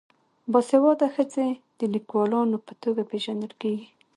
باسواده ښځې د لیکوالانو په توګه پیژندل کیږي.